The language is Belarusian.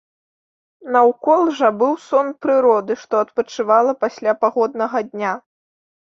Наўкол жа быў сон прыроды, што адпачывала пасля пагоднага дня.